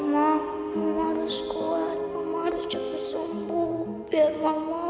ya udah om nangis dulu ya